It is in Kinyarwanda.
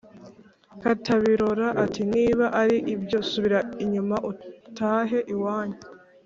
' katabirora ati "niba ari ibyo subira inyuma utahe iwanyu